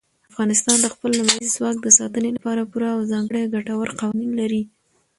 افغانستان د خپل لمریز ځواک د ساتنې لپاره پوره او ځانګړي ګټور قوانین لري.